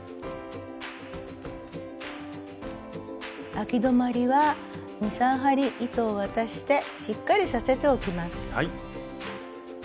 あき止まりは２３針糸を渡してしっかりさせておきます。